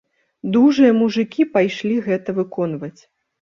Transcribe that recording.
Дужыя мужыкі пайшлі гэта выконваць.